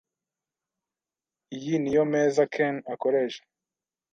Iyi niyo meza Ken akoresha.